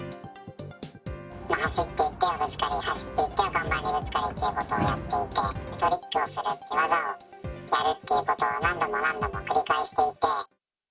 走っていってはぶつかり、走っていっては看板にぶつかるということをやっていて、トリックをして、技をやるということを、何度も何度も繰り返していて。